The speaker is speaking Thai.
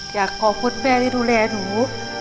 อยากขอบคุณแม่ที่ดูแลหนู